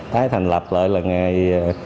tái thành lập lợi là ngày